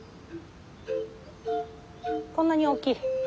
こんなに大きい。